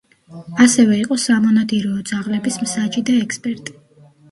ასევე იყო სამონადირეო ძაღლების მსაჯი და ექსპერტი.